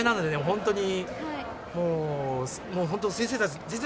本当に。